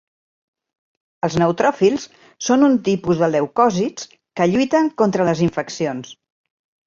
Els neutròfils són un tipus de leucòcits que lluiten contra les infeccions.